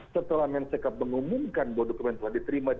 setelah mensekap mengumumkan bahwa dokumen telah diterima